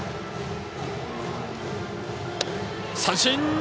三振！